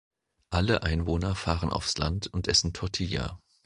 Alle Einwohner fahren aufs Land und essen Tortilla.